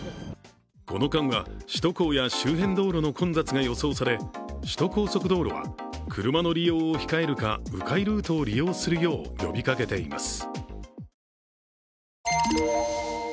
この間は首都高や周辺道路の混雑が予想され首都高速道路は、車の利用を控えるかう回ルートを利用するよう呼びかけています。